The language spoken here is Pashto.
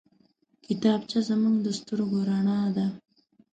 کتابچه زموږ د سترګو رڼا ده